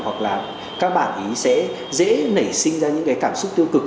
hoặc là các bạn ý sẽ dễ nảy sinh ra những cái cảm xúc tiêu cực